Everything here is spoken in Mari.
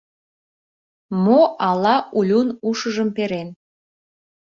Мо ала Улюн ушыжым перен?